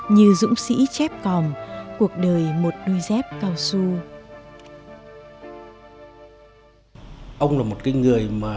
như dũng sĩ chép còm cuộc đời một đuôi dép cao su